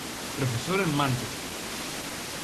Profesor en Manchester.